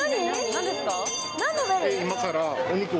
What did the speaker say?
何ですか？